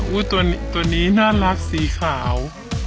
ตัวนี้น่ารักสีขาว